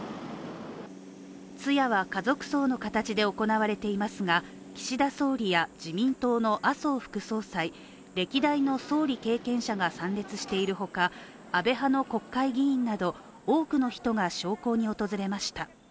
通夜は家族葬の形で行われていますが、岸田総理や自民党の麻生副総裁、歴代の総理経験者が参列しているほか安倍派の国家議員など、多くの人が焼香に訪れました。